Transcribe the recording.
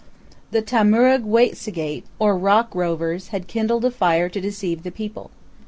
The Tu'muurrugwait'sigaip, or Rock Rovers, had kindled a fire to deceive the people.